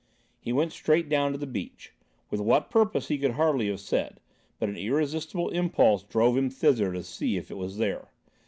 He went straight down to the beach; with what purpose he could hardly have said, but an irresistible impulse drove him thither to see if it was there.